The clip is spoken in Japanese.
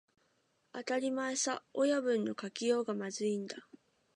当たり前さ、親分の書きようがまずいんだ